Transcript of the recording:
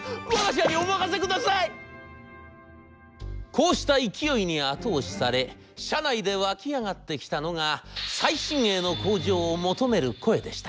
こうした勢いに後押しされ社内でわき上がってきたのが最新鋭の工場を求める声でした。